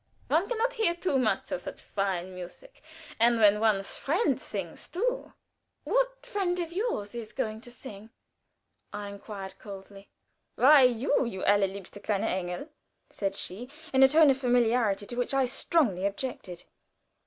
One can not hear too much of such fine music; and when one's friend sings, too " "What friend of yours is going to sing?" I inquired, coldly. "Why, you, you allerliebster kleiner Engel," said she, in a tone of familiarity, to which I strongly objected.